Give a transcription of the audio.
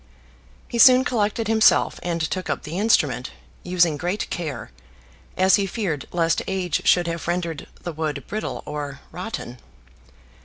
He soon collected himself and took up the instrument, using great care, as he feared lest age should have rendered the wood brittle or rotten.